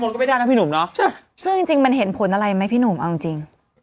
ไม่มนตก็ไม่ได้นะพี่หนุ่มเนอะใช่ซึ่งจริงมันเห็นผลอะไรไหมพี่หนุ่มเอาจริง